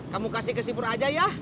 kamu kasih ke sipur aja ya